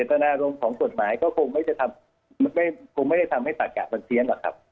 เศรษฐนารมณ์ของกฎหมายก็คงไม่ได้ทำให้ศักดิ์กะมันเซียนหรอกครับ